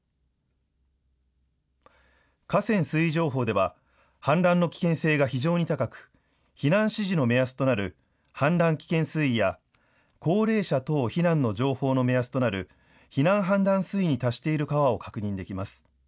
河川水位情報では氾濫の危険性が非常に高く避難指示の目安となる氾濫危険水位や高齢者等避難の情報の目安となる避難判断水位に達している川を確認できます。